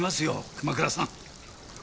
熊倉さん。